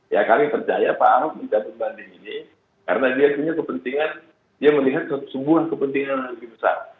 ya kami percaya pak ahok mencabut banding ini karena dia punya kepentingan dia melihat sebuah kepentingan yang lebih besar